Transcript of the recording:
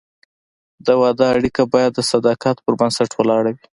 د واده اړیکه باید د صداقت پر بنسټ ولاړه وي.